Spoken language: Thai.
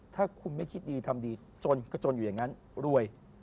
ถ้าคุณไม่คิดดีทำดีจนก็จนอยู่อย่างนั้นรวย